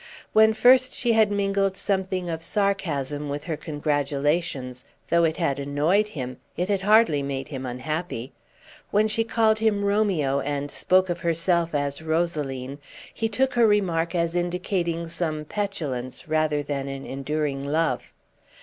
When first she had mingled something of sarcasm with her congratulations, though it had annoyed him, it had hardly made him unhappy. When she called him Romeo and spoke of herself as Rosaline, he took her remark as indicating some petulance rather than an enduring love.